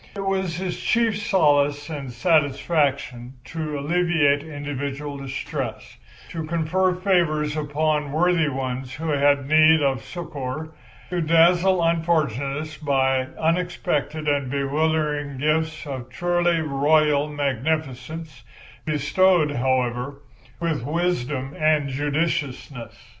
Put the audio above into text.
It was his chief solace and satisfaction to alleviate individual distress, to confer favours upon worthy ones who had need of succour, to dazzle unfortunates by unexpected and bewildering gifts of truly royal magnificence, bestowed, however, with wisdom and judiciousness.